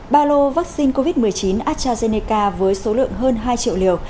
ba lô vaccine covid một mươi chín astrazeneca với số lượng hơn hai triệu liều